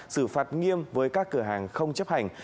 xử phạt nghiêm với các cửa hàng không chấp hành